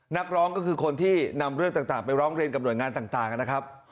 นักร้องก็คือคนที่นำเรื่องต่างไปร้องเรียนกับหน่วยงานต่างนะครับ